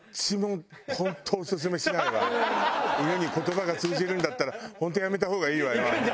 犬に言葉が通じるんだったら「本当やめた方がいいわよあんた。